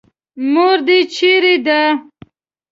مور دې چېرې ده.